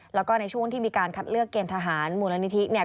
แล้วก็ในช่วงที่มีการคัดเลือกเกณฑ์ทหารมูลนิธิเนี่ย